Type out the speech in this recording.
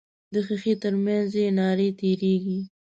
د ښیښې تر منځ یې نارې تیریږي.